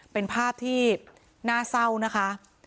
เป็นภาพที่น่าเศร้านะคะ